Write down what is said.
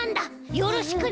よろしくね！